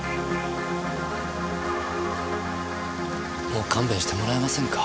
もう勘弁してもらえませんか？